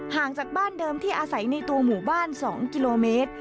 ห่างจากบ้านเดิมที่อาศัยในตัวหมู่บ้าน๒กิโลเมตร